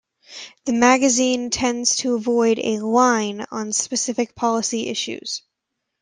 The magazine tends to avoid a "line" on specific policy issues.